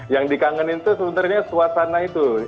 yang dikangenin itu sebenarnya suasana itu